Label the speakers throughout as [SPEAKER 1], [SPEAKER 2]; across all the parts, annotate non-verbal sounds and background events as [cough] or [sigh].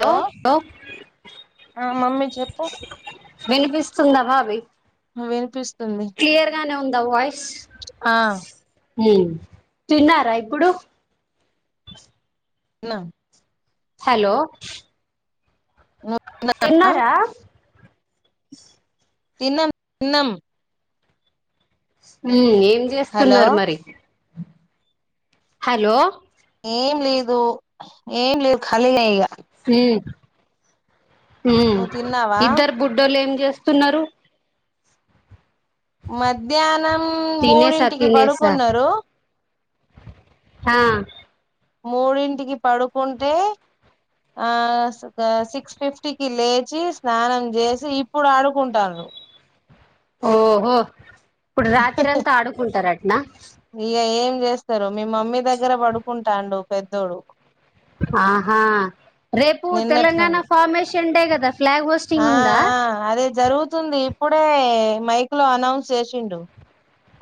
[SPEAKER 1] Hello ఆ mummy చెప్పు
[SPEAKER 2] వినిపిస్తుందా భాబీ
[SPEAKER 1] వినిపిస్తుంది
[SPEAKER 2] నా వాయిస్
[SPEAKER 1] ఆ
[SPEAKER 2] ఉం తిన్నారా ఇప్పుడు
[SPEAKER 1] తిన్నా
[SPEAKER 2] హలో
[SPEAKER 1] నువ్వు
[SPEAKER 2] తిన్నారా
[SPEAKER 1] తిన్నం తిన్నం.
[SPEAKER 2] ఉం ఏం
[SPEAKER 1] హలో
[SPEAKER 2] చేస్తున్నరు మరి. హలో.
[SPEAKER 1] ఏం లేదు ఏం లేదు ఖాళీగనే ఇగ.
[SPEAKER 2] ఉం ఉం
[SPEAKER 1] నువ్వు తిన్నావా
[SPEAKER 2] ఇద్దరు బుడ్డొలు ఏం చేస్తున్నారు.
[SPEAKER 1] మధ్యాహ్నం
[SPEAKER 2] తినేసా
[SPEAKER 1] మూడింటికి
[SPEAKER 2] తినేసా
[SPEAKER 1] పడుకున్నారు.
[SPEAKER 2] హా.
[SPEAKER 1] మూడింటికి పడుకుంటే ఆ సిక్స్ ఫిఫ్టీకిి లేచి స్నానం చేసి ఇప్పుడు ఆడుకుంటా ఆ
[SPEAKER 2] ఓహో ఇప్పుడు రాత్రి అంతా ఆడుకుంటారు అటనా
[SPEAKER 1] ఇగ ఏం చేస్తారు మీ మమ్మీ దగ్గర పడుకుంటాడు పెద్దోడు
[SPEAKER 2] ఆహా రేపు
[SPEAKER 1] నిన్నటి నుండి
[SPEAKER 2] తెలంగాణ ఫార్మేషన్ డే గా
[SPEAKER 1] ఆ ఆ అదే జరుగుతుంది ఇప్పుడే మైక్ లో అనౌన్స్ చేసిండు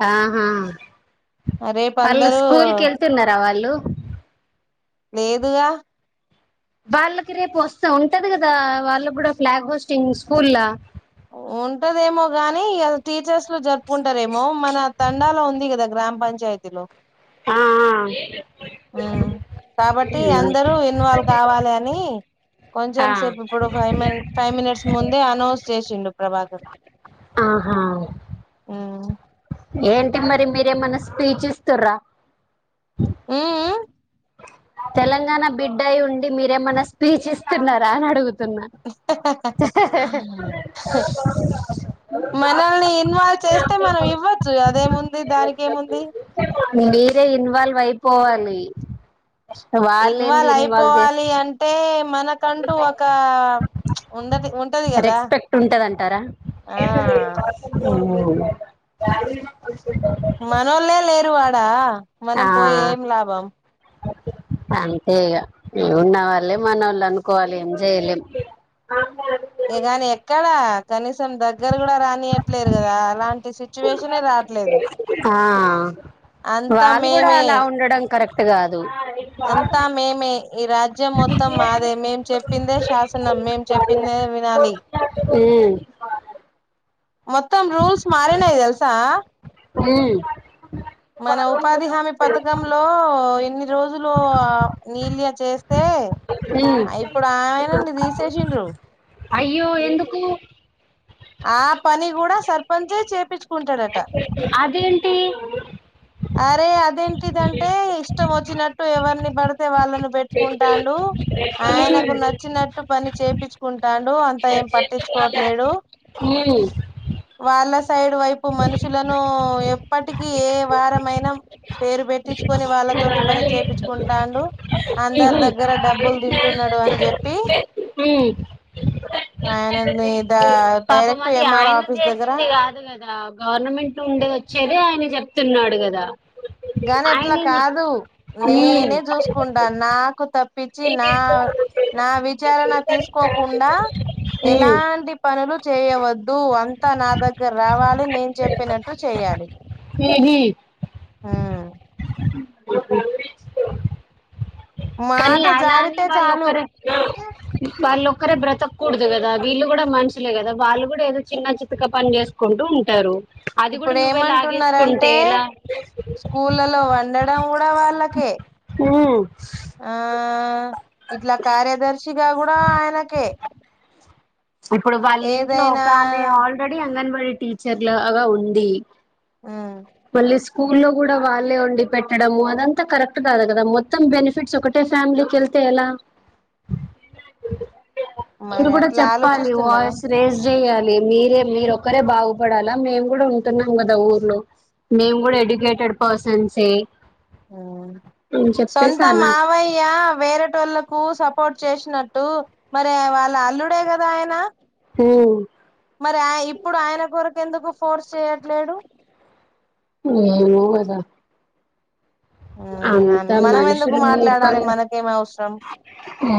[SPEAKER 2] ఆహా
[SPEAKER 1] రేపు
[SPEAKER 2] వాళ్ళు
[SPEAKER 1] అందరూ
[SPEAKER 2] స్కూల్ కి వెళ్తున్నారా వాళ్ళు
[SPEAKER 1] లేదుగా
[SPEAKER 2] వాళ్ళకి రేపు వస్తే ఉంటాది కదా వాళ్ళ కూడా ఫ్లాగ్ హోస్టింగ్ స్కూళ్ళ
[SPEAKER 1] ఉంటదేమో గాని ఇగ టీచర్స్ లో జరుపుకుంటారేమో మన తండాలో ఉంది కదా గ్రామ పంచాయతీలో
[SPEAKER 2] ఆ ఆ
[SPEAKER 1] ఉమ్ కాబట్టి అందరూ ఇన్వాల్వ్ కావాలి అని
[SPEAKER 2] ఆ
[SPEAKER 1] కొంచం సేపు ఇప్పుడు ఫైవ్ మి ఫైవ్ మినిట్స్ ముందే అనౌన్స్ చేసిండు ప్రభాకర్
[SPEAKER 2] ఆహా
[SPEAKER 1] ఉమ్
[SPEAKER 2] ఏంటి మరి మీరేమైన్నా స్పీచ్ ఇస్తూరా
[SPEAKER 1] మ్మ్ మ్మ్
[SPEAKER 2] తెలంగాణ బిడ్డయి ఉండి మీరేమన్నా స్పీచ్ ఇస్తున్నారా అని అడుగు తున్నా
[SPEAKER 1] మనల్ని ఇన్వాల్వ్ చేస్తే మనం ఇవ్వచ్చు అదేముంది దానికి ఏముంది
[SPEAKER 2] మీరే ఇన్వాల్వ్ అయిపోవాలి వాళ్ళేంది
[SPEAKER 1] ఇన్వాల్వ్
[SPEAKER 2] చేసి
[SPEAKER 1] అయిపోవాలి అంటే మనకంటూ ఒక ఉండది ఉంటది కదా
[SPEAKER 2] రెస్పెక్ట్ ఉంటాది అంటారా
[SPEAKER 1] ఆ
[SPEAKER 2] ఆ
[SPEAKER 1] మనోలే లేరు అడా మనం పోయి ఏం లాభం
[SPEAKER 2] ఓకే అంతే ఇగ ఉన్నవాళ్ళే మన వాళ్ళు అనుకోవాలి ఏం చేయలేం
[SPEAKER 1] ఇగాని ఎక్కడ కనీసం దగ్గర కూడా రానియట్లేదు కదా అలాంటి సిచ్యువేషన్
[SPEAKER 2] ఆ
[SPEAKER 1] అంతా
[SPEAKER 2] వాళ్ళు కూడా
[SPEAKER 1] మేమే
[SPEAKER 2] అలా ఉండడం కరెక్ట్ కాదు
[SPEAKER 1] అంతా మేమే. ఈ రాజ్యం మొత్తం మాదే మేం చెప్పిందే శాసనం మేము చెప్పిందే వినాలి
[SPEAKER 2] హ్మ్
[SPEAKER 1] మొత్తం రూల్స్ మారినై తెల్సా
[SPEAKER 2] హ్మ్
[SPEAKER 1] మన ఉపాధి హామీ పథకంలో ఎన్ని రోజులు నీల్యా చేస్తే
[SPEAKER 2] ఉమ్
[SPEAKER 1] ఇప్పుడు ఆయా నుండి తీసేసిండ్రు
[SPEAKER 2] అయ్యో ఎందుకు
[SPEAKER 1] ఆ పని కూడా సర్పంచే చేపించుకుంటాడుట అంటా
[SPEAKER 2] అదేంటి
[SPEAKER 1] అరే అదేంటిదంటే ఇష్టం వచ్చినట్టు ఎవరిని పడితే వాళ్ళని పెట్టుకుంటాడు ఆయనకు నచ్చినట్టు పని చేపిచ్చుకుంటాడు అంత ఏం పట్టించుకోవట్లేడు
[SPEAKER 2] ఉమ్
[SPEAKER 1] సైడ్ వైపు మనుషులను ఎప్పటికీ ఏ వారం మైన పేరు పెట్టించుకొని వాళ్ళతోటి పని చేపించికుంటాడు అందరి
[SPEAKER 2] ఉహు
[SPEAKER 1] దగ్గర డబ్బులు తింటున్నాడు అని చెప్పి
[SPEAKER 2] ఉమ్
[SPEAKER 1] ఆయన మీద
[SPEAKER 2] పాపం
[SPEAKER 1] డైరెక్ట్
[SPEAKER 2] అది
[SPEAKER 1] ఎం ఆర్ వో
[SPEAKER 2] ఆయన
[SPEAKER 1] ఆఫీస్ దగ్గర
[SPEAKER 2] చేసింది కాదు కదా గవర్నమెంట్ లోర్ ఉండేది వచ్చేది ఆయన చెప్తున్నాడు కదా
[SPEAKER 1] గాని
[SPEAKER 2] ఆయన
[SPEAKER 1] అట్లా కాదు
[SPEAKER 2] ఉమ్, ఉమ్,
[SPEAKER 1] నేనే చూసుకుంటాను నాకు తప్ప తప్పించి నా నా విచారణ తీసుకోకుండా ఎలాంటి పనులు చేయవద్దు అంతా నా దగ్గర రావాలి నేను చెప్పినట్టు చేయాలి
[SPEAKER 2] ఏహి
[SPEAKER 1] హ
[SPEAKER 2] కానీ
[SPEAKER 1] మాట
[SPEAKER 2] అలా అని
[SPEAKER 1] జారితే
[SPEAKER 2] వాళ్లు
[SPEAKER 1] చాలు
[SPEAKER 2] ఒక్కరూ వాళ్లు ఒక్క ఒక్కరే బ్రతకూడదు కదా వీళ్ళు కూడా మనుషులే కదా వాళ్ళు కూడా ఏదో చిన్న చితుక పని చేసుకుంటూ ఉంటారు అది కూడా
[SPEAKER 1] ఇప్పుడు
[SPEAKER 2] నువ్వె లాగేసుకుంటే ఎలా
[SPEAKER 1] స్కూళ్ళలో వండడం కూడా వాళ్ళకే హా
[SPEAKER 2] హు
[SPEAKER 1] ఇట్లా కార్యదర్శిగా కూడా ఆయనకే
[SPEAKER 2] ఇప్పుడు వాళ్ళ ఇంట్లో
[SPEAKER 1] ఏదైనా
[SPEAKER 2] ఒక ఆమె ఆల్రెడీ అంగన్వాడీ టీచర్ లాగా ఉంది
[SPEAKER 1] ఉమ్
[SPEAKER 2] మళ్ళీ స్కూల్లో కూడా వాళ్ళే వండి పెట్టడము అదంతా కరెక్ట్ కాదు కదా మొత్తం బెనిఫిట్స్ ఒకటే ఫ్యామిలీ కేళ్తే ఎలా మీరు
[SPEAKER 1] మరి
[SPEAKER 2] కూడా
[SPEAKER 1] అట్లా
[SPEAKER 2] చెప్పాలి
[SPEAKER 1] ఆలోచిస్తున్నారా
[SPEAKER 2] వాయిస్ రేజ్ చేయాలి మీరే మీరు ఒక్కరే బాగుపడాలా మేము కూడా ఉంటున్నాం కదా ఊర్లో మేము కూడా ఎడ్యుకేటెడ్ పర్సన్సే
[SPEAKER 1] హా
[SPEAKER 2] అని చెప్పేసి
[SPEAKER 1] సొంత
[SPEAKER 2] అనా
[SPEAKER 1] మావయ్య వేరేటోళ్ళలకు సప్ సపోర్ట్ చేసినట్టు మరి వాళ్ళ అల్లుడే కదా ఆయన
[SPEAKER 2] హు
[SPEAKER 1] మరి ఆ ఇప్పుడు ఆయన కొరకు ఎందుకు ఫోర్స్ చేయట్లేడు
[SPEAKER 2] ఏమో కదా అంత
[SPEAKER 1] మనం ఎందుకు
[SPEAKER 2] మనుషులు
[SPEAKER 1] మాట్లాడాలి
[SPEAKER 2] మూర్ఖంగా
[SPEAKER 1] మనకేం అవసరం
[SPEAKER 2] హు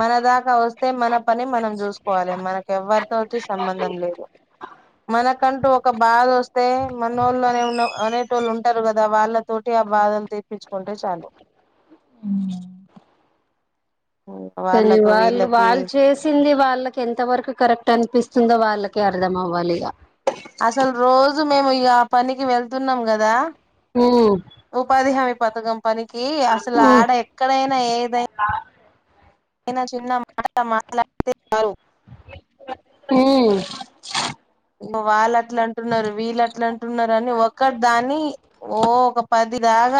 [SPEAKER 1] మన దాకా వస్తే మన పని మనం చూసుకోవాలె మనకి ఎవ్వరితోటి సంబంధం లేదు మనక్ కంటూ ఒక బాధ వస్తే మనోళ్లు ఆనె అనేటోళ్ళు ఉంటారు కదా వాళ్ళ తోటి ఆ బాధ తెప్పించుకుంటే చాలు
[SPEAKER 2] హు కానీ
[SPEAKER 1] వాళ్ళకు
[SPEAKER 2] వాళ్ళు
[SPEAKER 1] వీళ్ళకి
[SPEAKER 2] వాళ్ళు చేసింది వాళ్ళకి ఎంత వరకు కరెక్ట్ అనిపిస్తుందో వాళ్ళకి కే అర్థం అవ్వాలిగా
[SPEAKER 1] అసలు రోజు మేము ఇగ పనికి వెళ్తున్నాం గదా
[SPEAKER 2] హు
[SPEAKER 1] పథకం పనికి అసలు ఆడ ఎక్కడైనా ఏదైనా ఆయన చిన్న మాట మాట్లాడితే చాలు
[SPEAKER 2] హ్మ్
[SPEAKER 1] ఇంకా వాళ్ళు అట్ల అంటున్నారు వీళ్ళు అట్ల అంటున్నారు అని ఒకటి దాని ఓ ఒక పది లాగ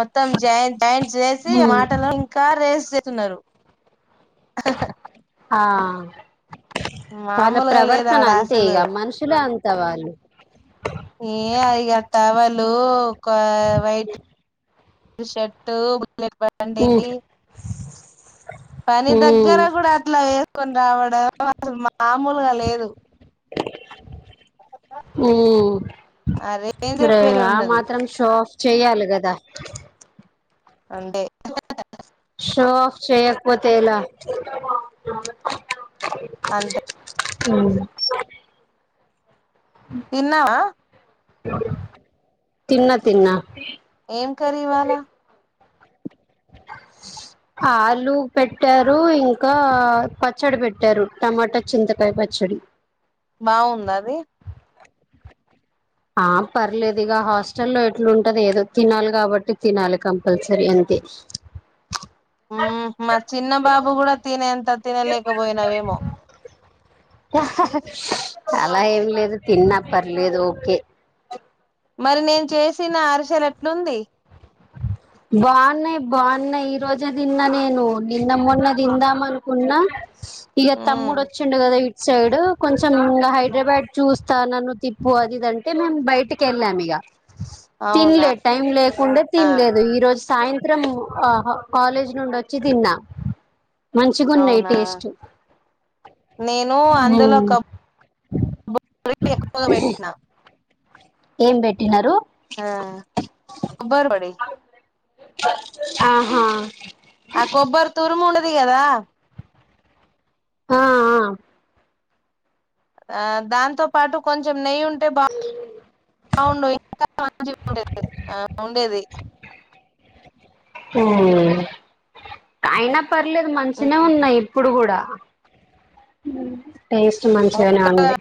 [SPEAKER 1] మొత్తం జాం జాంట్స్ చెసి
[SPEAKER 2] ఉమ్
[SPEAKER 1] మాటలు ఇంకా రేస్ తున్నారు ఆహాహా
[SPEAKER 2] ఆ వాళ్ళ
[SPEAKER 1] మామూలుగా లేదు
[SPEAKER 2] ప్రవర్తన
[SPEAKER 1] ఆడ
[SPEAKER 2] అంతే
[SPEAKER 1] అసలు
[SPEAKER 2] ఇగ మనుషులు అంతే వాళ్ళు.
[SPEAKER 1] ఇయ ఇగ టవలు ఒక వైట్ షర్టు ఉలెట్ పట్టండి
[SPEAKER 2] ఉమ్
[SPEAKER 1] పని
[SPEAKER 2] ఉమ్
[SPEAKER 1] దగ్గర కూడా అట్లా యే కోని రావడం అసలు మామూలుగా లేదు
[SPEAKER 2] [inaudible] ఉ
[SPEAKER 1] ఆ రేంజే
[SPEAKER 2] ప్రే
[SPEAKER 1] వేరే
[SPEAKER 2] ఆ
[SPEAKER 1] ఉన్నది
[SPEAKER 2] మాత్రం షో చేయాలి కదా
[SPEAKER 1] అంతే హహహ
[SPEAKER 2] షో ఆఫ్ చేయకపోతే ఎలా
[SPEAKER 1] అంతే
[SPEAKER 2] ఉ
[SPEAKER 1] తిన్నావా
[SPEAKER 2] తిన్నా తిన్నా
[SPEAKER 1] ఏం కర్రీ ఇవాళ [inaudible]
[SPEAKER 2] ఆలు పెట్టారు ఇంకా పచ్చడి పెట్టారు టమాటా చింతకాయ్ ప పచ్చడి
[SPEAKER 1] బాగుందా అది
[SPEAKER 2] ఆ పర్లేదు ఇక హాస్టల్ల్లో ఎట్లా ఉంటది ఏదో తినాలి కాబట్టి తినాలి కంపల్సరీ అన్ తే
[SPEAKER 1] ఉ మా చిన్న బాబు కూడా తినేంత తినలేకపోయినావేమో.
[SPEAKER 2] ఆహాహా అలా ఏం లేదు తిన్న పర్లేదు ఓకే
[SPEAKER 1] మరి నేను చేసిన అరిసెలు ఎట్లుంది
[SPEAKER 2] బాన్నాయ్ బాన్నాయి ఈ రోజే తిన్నా నేను, నిన్న మొన్న తిందాం అనుకున్నా ఇగ
[SPEAKER 1] మ్మ్
[SPEAKER 2] తమ్ముడు వచ్చిండు కదా ఇ సైడు కొంచెం హైదరాబాద్ చూస్తా నన్ను తిప్పు అది ఇది అంటే మేము బయటకి వెళ్ళాం ఇగా.
[SPEAKER 1] అవునా
[SPEAKER 2] తిన్లే టైమ్ లేకుండే తిన్లేదు ఈ రోజ్ జు సాయంత్రం ఆ కాలేజ్ నుంచి వచ్చి తిన్నా మంచిగున్నాయి
[SPEAKER 1] అవునా
[SPEAKER 2] టేస్టు
[SPEAKER 1] నేను అందులో కప్ [unintelligible] ఎక్కువగా పెట్టినా.
[SPEAKER 2] ఏం బెట్టినారు
[SPEAKER 1] ఆ కొబ్బరు బడి
[SPEAKER 2] ఆహా
[SPEAKER 1] ఆ కొబ్బరి తురుము ఉండది కదా
[SPEAKER 2] ఆ ఆ
[SPEAKER 1] ఆ దాంతో పాటు కొంచెం నెయ్యి ఉంటే బా గుండు ఇంకా మంచి ఉండేది ఆ ఉండేది
[SPEAKER 2] ఆ అయినా పర్లేదు మంచినే
[SPEAKER 1] ఉండేది
[SPEAKER 2] ఉన్నాయి ఇప్పుడు కూడా ఉ టేస్టు మంచిగానే ఉంది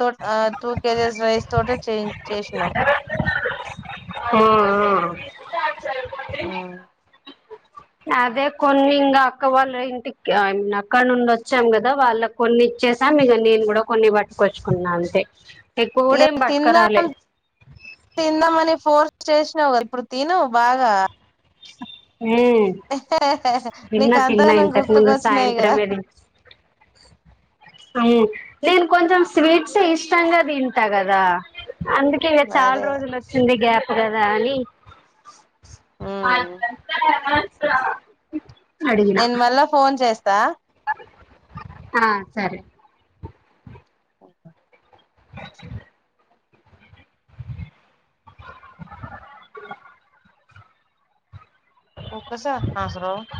[SPEAKER 1] తోట్ టూ కేజెస్ రైస్ తోటె చేయించ్
[SPEAKER 2] ఆ ఆ
[SPEAKER 1] ఉ
[SPEAKER 2] అదే కొన్ని ఇంగా అక్క వాళ్ళ ఇంటికి అక్కడ నుండి వచ్చాం కదా వాళ్ళకు కొన్ని ఇచ్చి చేసాం ఇంగా నేను కూడా కొన్ని పట్టుకొచ్చుకున్నా అంతే. ఎక్కువ కూడా
[SPEAKER 1] ఇగా
[SPEAKER 2] ఏం పట్టుకరాలే
[SPEAKER 1] తిందాం తిందామని ఫోర్స్ చేశినవ్ గా ఇప్పుడు తిను బాగా.
[SPEAKER 2] [inaudible] హ్ తిన్నా
[SPEAKER 1] నీకు
[SPEAKER 2] తిన్నా
[SPEAKER 1] అంతగానం
[SPEAKER 2] ఇంతకు ముందు
[SPEAKER 1] గుర్తుకొచ్చినాయి కదా
[SPEAKER 2] సాయంత్రమే తి నేను కొంచెం స్వీట్స్ ఇష్టంగా తింటా కదా. అందుకే ఇగ చాలా
[SPEAKER 1] అదే
[SPEAKER 2] రోజులు వచ్చింది గ్యాప్ కదా అని. అ అద
[SPEAKER 1] నేను మళ్ళా ఫోన్ చేస్తా.
[SPEAKER 2] ఆ సరే. అ
[SPEAKER 1] ఒక్క సా హాసరు